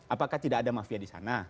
apakah tidak ada mafia di sana